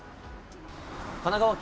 神奈川県